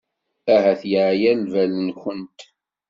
Ahat yeɛya lbal-nwent.